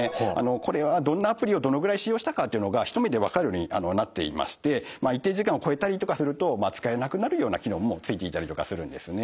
これはどんなアプリをどのぐらい使用したかっていうのが一目で分かるようになっていまして一定時間を超えたりとかすると使えなくなるような機能もついていたりとかするんですね。